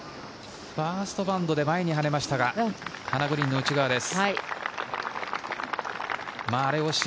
ファーストバンドで前に跳ねましたが、ハナ・グリーンの内側です。